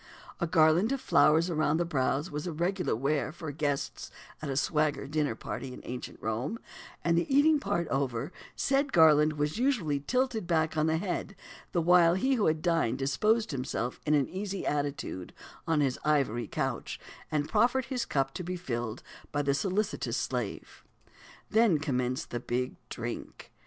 A garland of flowers around the brows was the regular wear for a guest at a "swagger" dinner party in ancient Rome, and, the eating part over, said garland was usually tilted back on the head, the while he who had dined disposed himself in an easy attitude on his ivory couch, and proffered his cup to be filled by the solicitous slave. Then commenced the "big drink."